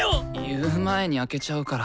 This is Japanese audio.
言う前に開けちゃうから。